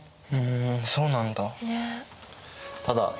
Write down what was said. ふんそうなんだ。